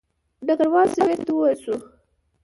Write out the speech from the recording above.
ډګروال سمیت ته وویل شو.